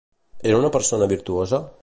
Era una persona virtuosa?